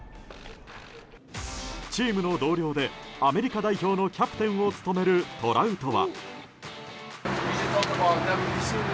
チームの同僚でアメリカ代表のキャプテンを務めるトラウトは。